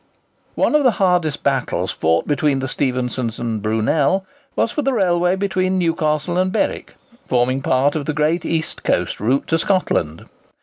One of the hardest battles fought between the Stephensons and Brunel was for the railway between Newcastle and Berwick, forming part of the great East Coast route to Scotland.